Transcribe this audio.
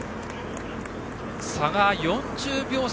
差が４０秒差。